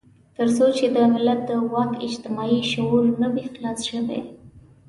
تر څو چې د ملت د واک اجتماعي شعور نه وي خلاص شوی.